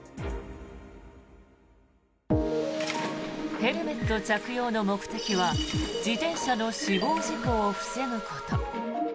ヘルメット着用の目的は自転車の死亡事故を防ぐこと。